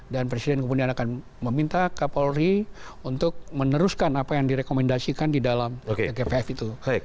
dan presiden kemudian akan meminta kapolri untuk meneruskan apa yang direkomendasikan di dalam tgpf itu